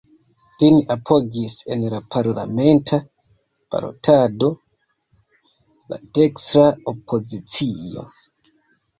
Lin apogis en la parlamenta balotado la dekstra opozicio.